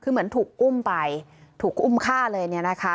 คือเหมือนถูกอุ้มไปถูกอุ้มฆ่าเลยเนี่ยนะคะ